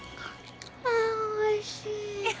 ああおいしい。